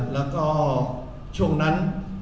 แล้วก็ช่วงนั้น